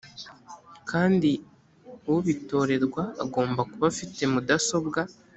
kandi ubitorerwa agomba kuba afite mudasobwa